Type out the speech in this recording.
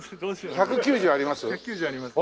１９０あります。